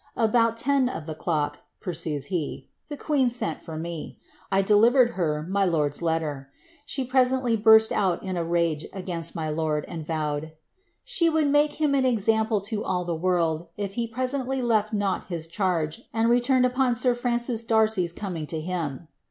^ About ten of the clock," pursues he, '^ the queen sent for me ; I delivered her my lord's letter. She presently burst out in a rage against ny lord, and vowed, ^ she would make him an example to all the world if ne presently lefl not his charge, and returned upon sir Francis Darcy 's eoming to him.'